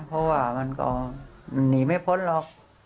เพราะว่ามันก็หนีไม่พ้นหรอก